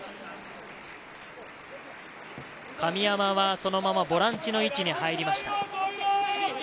神山はそのままボランチの位置に入りました。